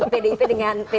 pdip dengan p tiga